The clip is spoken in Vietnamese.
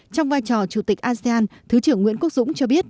trong vai trò chủ tịch asean thứ trưởng nguyễn quốc dũng cho biết